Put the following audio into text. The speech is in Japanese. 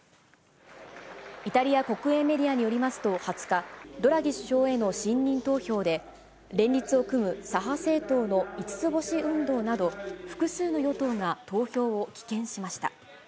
イタリア国営メディアによりますと、２０日、ドラギ首相への信任投票で、連立を組む左派政党の五つ星運動など、複数の与党が投票を棄権しました。